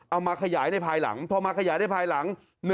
เอามาขยายในภายหลังพอมาขยายได้ภายหลัง